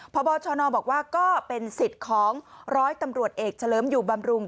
พบชนบอกว่าก็เป็นสิทธิ์ของร้อยตำรวจเอกเฉลิมอยู่บำรุง